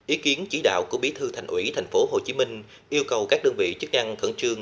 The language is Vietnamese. ý kiến chỉ đạo của bí thư thành ủy tp hcm yêu cầu các đơn vị chức năng khẩn trương